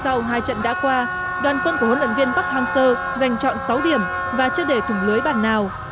sau hai trận đã qua đoàn quân của huấn luyện viên bắc hang sơ giành chọn sáu điểm và chưa để thủng lưới bản nào